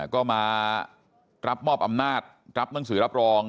ก็มารับมอบอำนาจรับหนังสือรับรอง